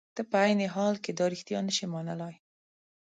ته په عین حال کې دا رښتیا نشې منلای.